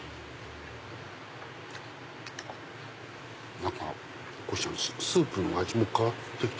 何かスープの味も変わって来た。